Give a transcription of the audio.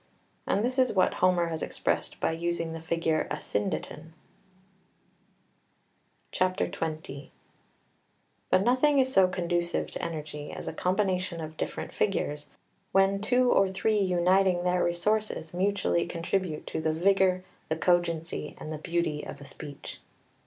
And this is what Homer has expressed by using the figure Asyndeton. [Footnote 1: Xen. Hel. iv. 3. 19.] [Footnote 2: Od. x. 251.] XX But nothing is so conducive to energy as a combination of different figures, when two or three uniting their resources mutually contribute to the vigour, the cogency, and the beauty of a speech.